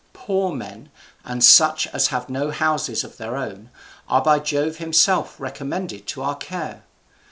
Poor men, and such as have no houses of their own, are by Jove himself recommended to our care.